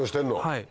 はい。